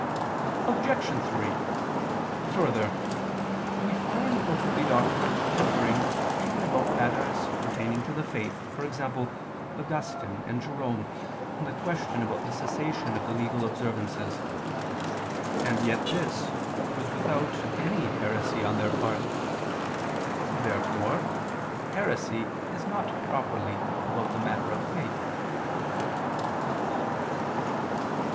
Obj. 3: Further, we find the holy doctors differing even about matters pertaining to the faith, for example Augustine and Jerome, on the question about the cessation of the legal observances: and yet this was without any heresy on their part. Therefore heresy is not properly about the matter of faith.